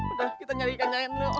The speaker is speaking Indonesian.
udah kita nyari ikan ikan dulu